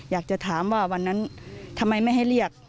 อยากจะถามว่าวันนั้นทำไมไม่ให้เรียก